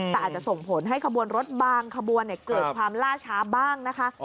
แต่อาจจะส่งผลให้ขบวนรถบางขบวนเกิดความล่าช้าบ้างนะคะ